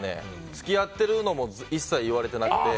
付き合っているのも一切言われてなくて。